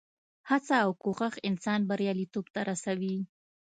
هڅه او کوښښ انسان بریالیتوب ته رسوي.